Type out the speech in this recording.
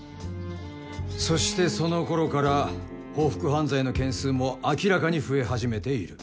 そしてそのころから報復犯罪の件数も明らかに増え始めている。